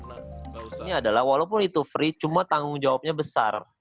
maksudnya adalah walaupun itu free cuma tanggung jawabnya besar